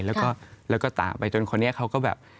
แล้วก็ตามไปจนคนนี้เขาก็แบบ